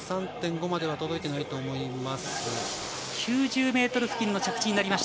９３．５までは届いていないと思います。